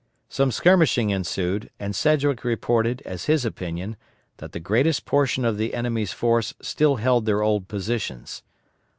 Some skirmishing ensued, and Sedgwick reported, as his opinion, that the greater portion of the enemy's force still held their old positions.